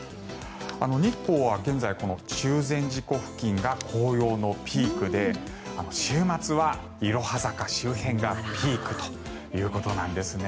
日光は現在中禅寺湖付近が紅葉のピークで週末は、いろは坂周辺がピークということなんですね。